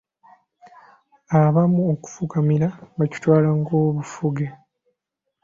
Abamu okufukamira bakitwala ng'obufuge.